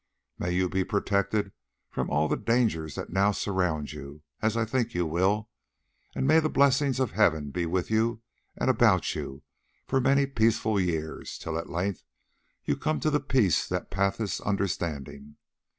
May you be protected from all the dangers that now surround you, as I think you will, and may the blessing of Heaven be with you and about you for many peaceful years, till at length you come to the peace that passeth understanding!